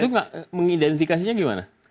itu mengidentifikasinya gimana